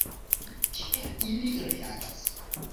Kiel ili reagas?